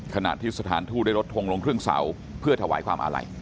ขณะที่สถานทูตได้ลดทงลงครึ่งเสาเพื่อถวายความอาลัย